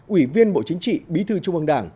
ủy viên bộ chính trị bí thư trung ương đảng